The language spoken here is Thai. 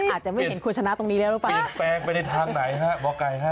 อาจจะไม่เห็นคุณชนะตรงนี้แล้วหรือเปล่าเปลี่ยนแปลงไปในทางไหนฮะหมอไก่ฮะ